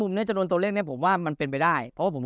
น่าจะโดนตัวเลขเนี้ยผมว่ามันเป็นไปได้เพราะว่าผม